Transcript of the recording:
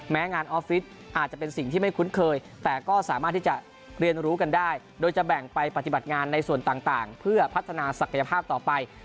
งานออฟฟิศอาจจะเป็นสิ่งที่ไม่คุ้นเคยแต่ก็สามารถที่จะเรียนรู้กันได้โดยจะแบ่งไปปฏิบัติงานในส่วนต่างเพื่อพัฒนาศักยภาพต่อไป